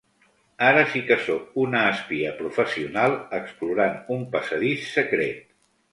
Ara sí que sóc una espia professional explorant un passadís secret.